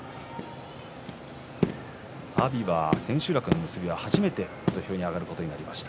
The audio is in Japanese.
阿炎は千秋楽の結びは初めて土俵に上がることになりました。